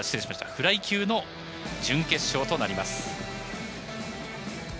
フライ級の準決勝となります。